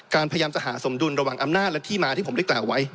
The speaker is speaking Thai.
พยายามจะหาสมดุลระหว่างอำนาจและที่มาที่ผมได้กล่าวไว้